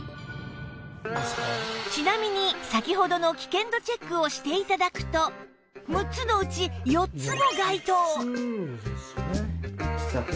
ちなみに先ほどの危険度チェックをして頂くと６つのうち４つも該当！